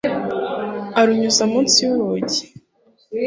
arunyuza munsi yurugi